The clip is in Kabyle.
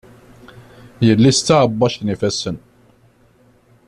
Yelli-s d taɛebbajt n yifassen.